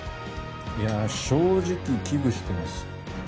いや正直危惧してます